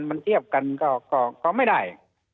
มันเทียบกันก็ไม่ได้